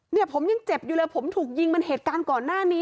เนี่ยผมยังเจ็บอยู่เลยผมถูกยิงมันเหตุการณ์ก่อนหน้านี้